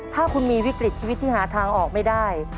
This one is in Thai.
ถ้าคุณมีวิกฤตชีวิตที่หาทางออกไม่ได้